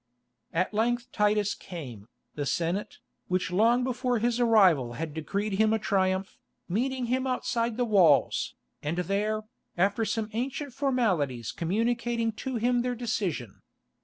At length Titus came, the Senate, which long before his arrival had decreed him a Triumph, meeting him outside the walls, and there, after some ancient formalities communicating to him their decision.